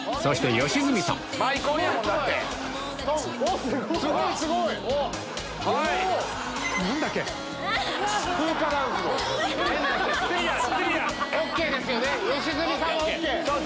良純さんは ＯＫ！